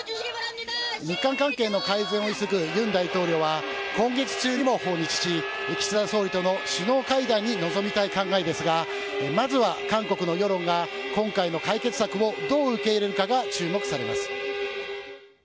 日韓関係の改善を急ぐユン大統領は今月中にも訪日し、岸田総理との首脳会談に臨みたい考えですが、まずは韓国の世論が今回の解決策をどう受け入れるかが注目されます。